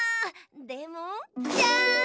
でもジャン！